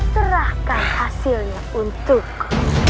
terahkan hasilnya untukku